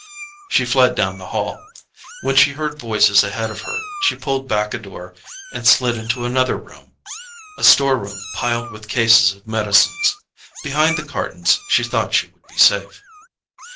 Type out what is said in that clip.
She fled down the hall. When she heard voices ahead of her, she pulled back a door and slid into another room a storeroom piled with cases of medicines. Behind the cartons she thought she would be safe.